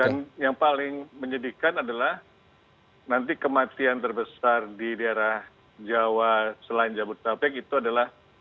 dan yang paling menyedihkan adalah nanti kematian terbesar di daerah jawa selain jabodetabek itu adalah